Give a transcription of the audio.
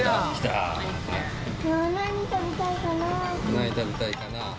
何食べたいかな？